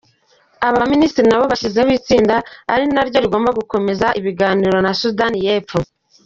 Aba baminisitiri nabo bashyizeho itsinda, ari naryo rigomba gukomeza ibiganiro na Sudani y’ Epfo.